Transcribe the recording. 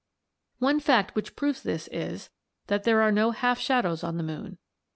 "One fact which proves this is, that there are no half shadows on the moon.